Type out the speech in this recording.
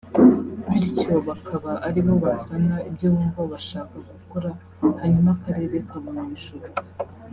bityo bakaba ari bo bazana ibyo bumva bashaka gukora hanyuma akarere kabona bishoboka